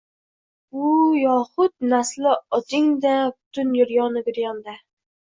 Bu yoxud nasli oting-da butun giryonu giryonda?